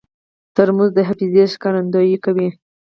ترموز د حافظې ښکارندویي کوي.